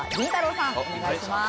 さんお願いします。